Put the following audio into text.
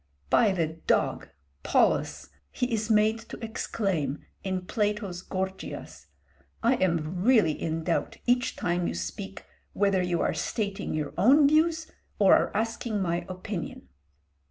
"By the dog! Polus," he is made to exclaim in Plato's 'Gorgias,' "I am really in doubt each time you speak whether you are stating your own views or are asking my opinion."